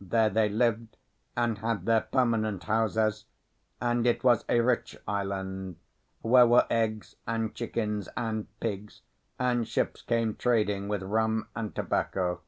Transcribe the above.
There they lived and had their permanent houses, and it was a rich island, where were eggs and chickens and pigs, and ships came trading with rum and tobacco.